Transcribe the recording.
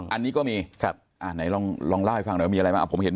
อันนี้ก็มีไหนลองเล่าให้ฟังหน่อยมีอะไรบ้าง